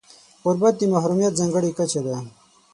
غربت د محرومیت ځانګړې کچه ده.